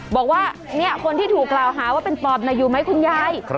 บอกว่าคนที่ถูกกล่าวหาว่าเป็นปอบอยู่ไหมคุณยาย